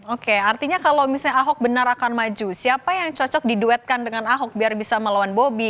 oke artinya kalau misalnya ahok benar akan maju siapa yang cocok diduetkan dengan ahok biar bisa melawan bobi